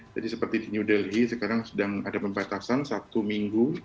jadi seperti di new delhi sekarang sedang ada pembatasan satu minggu